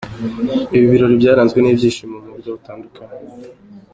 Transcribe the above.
Ibi birori byaranzwe n'ibyishimo mu buryo butandukanye.